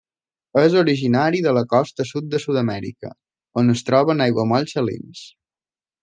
És originària de la costa sud de Sud Amèrica, on es troba en aiguamolls salins.